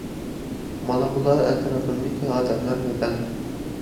مانا بۇلار ئەتراپىمدىكى ئادەملەر ۋە مەن.